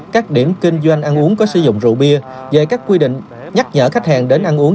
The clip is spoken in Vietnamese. các điểm kinh doanh ăn uống có sử dụng rượu bia về các quy định nhắc nhở khách hàng đến ăn uống